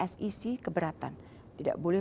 sec keberatan tidak boleh